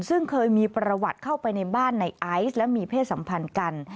ซึ่งเคยมีประวัติเข้าไปในบ้านในไอซ์และมีเพศสัมพันธ์กัน